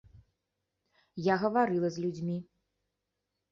Я гаварыла з людзьмі.